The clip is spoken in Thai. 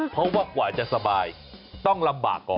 เพราะว่ากว่าจะสบายต้องลำบากก่อน